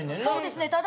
そうですね